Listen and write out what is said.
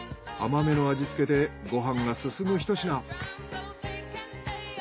甘めの味付けでご飯がすすむひと品。